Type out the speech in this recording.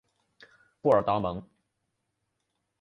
布尔达蒙。